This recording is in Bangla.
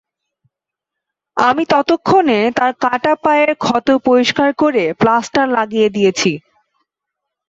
আমি ততক্ষণে তাঁর কাটা পায়ের ক্ষত পরিষ্কার করে প্লাস্টার লাগিয়ে দিয়েছি।